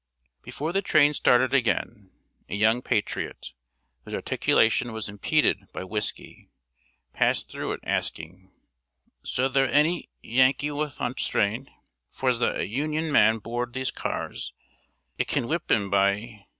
] Before the train started again, a young patriot, whose articulation was impeded by whisky, passed through it, asking: "S'thr any Yankee onth'strain? F'thr's a Union man board these cars, Ic'nwhip him by